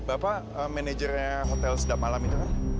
bapak manajernya hotel sedap malam itu kan